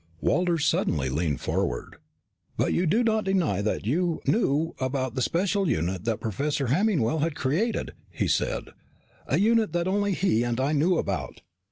Walters suddenly leaned forward. "But you do not deny that you knew about the special unit that Professor Hemmingwell had created," he said. "A unit that only he and I knew about?"